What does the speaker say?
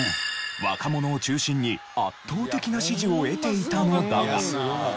若者を中心に圧倒的な支持を得ていたのだが。